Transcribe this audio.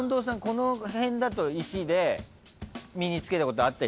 この辺だと石で身につけたことあったりする？